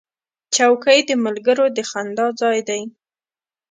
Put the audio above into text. چوکۍ د ملګرو د خندا ځای دی.